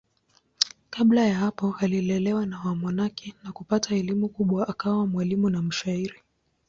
Kabla ya hapo alilelewa na wamonaki na kupata elimu kubwa akawa mwalimu na mshairi.